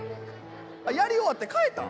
やり終わって帰ったん？